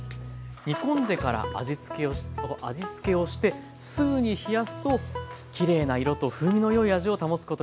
煮込んでから味付けをしてすぐに冷やすときれいな色と風味の良い味を保つことができます。